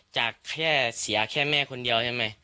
จากแค่เสียแค่แม่คนเดียวใช่ไหม